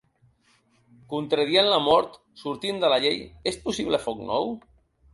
Contradient la mort, sortint de la llei, és possible foc nou?